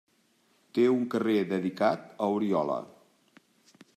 Té un carrer dedicat a Oriola.